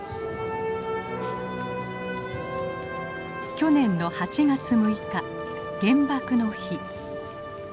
去年の８月６日原爆の日。